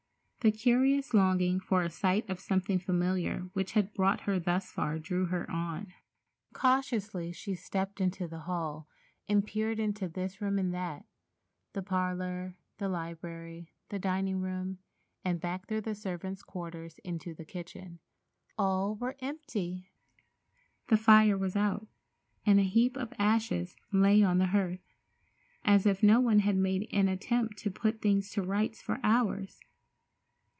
The curious longing for a sight of something familiar which had brought her thus far drew her on. Cautiously she stepped into the hall and peered into this room and that—the parlor, the library, the dining room, and back through the servants' quarters into the kitchen. All were empty! The fire was out, and a heap of ashes lay on the hearth, as if no one had made an attempt to put things to rights for hours.